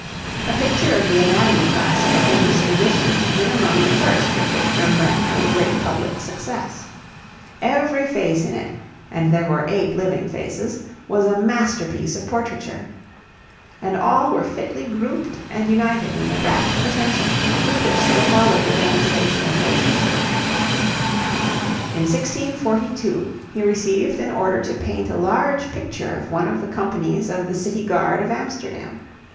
A picture of the anatomy class of a famous physician had been among the first with which Rembrandt made a great public success. Every face in it and there were eight living faces was a masterpiece of portraiture, and all were fitly grouped and united in the rapt attention with which they followed the demonstration of their teacher. In 1642 he received an order to paint a large picture of one of the companies of the City Guard of Amsterdam.